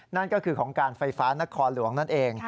นั่นก็คือของการไฟฟ้านครหลวงนั่นเอง